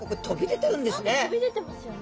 何か飛び出てますよね。